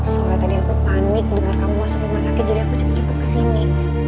soalnya tadi aku panik dengar kamu masuk rumah sakit jadi aku cepet cepet ke sini